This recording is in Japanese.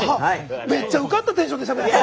めっちゃ受かったテンションでしゃべってた。